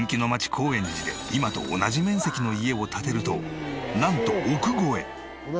高円寺で今と同じ面積の家を建てるとなんと億超え！